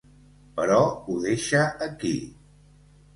Però ho deixa aquí.